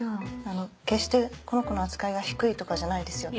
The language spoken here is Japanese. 決してこの子の扱いが低いとかじゃないですよって。